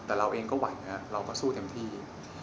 แต่เราเองก็ไหวนะครับเราก็สู้เต็มที่